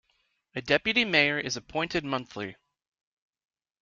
A deputy mayor is appointed monthly.